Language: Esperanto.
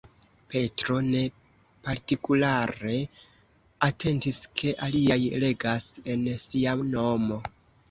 Petro ne partikulare atentis ke aliaj regas en sia nomo.